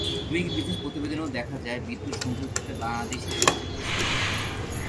Doing business প্রতিবেদনেও দেখা যায়, বিদ্যুৎ-সংযোগ পেতে বাংলাদেশেই সবচেয়ে বেশি সময় লাগে।